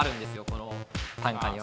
この短歌には。